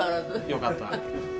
よかった。